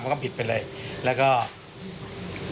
นี่ค่ะคุณผู้ชมพอเราคุยกับเพื่อนบ้านเสร็จแล้วนะน้า